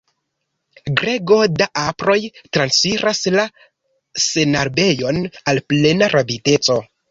Grego da aproj transiras la senarbejon al plena rapideco.